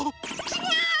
ちがう！